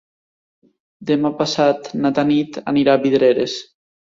Demà passat na Tanit anirà a Vidreres.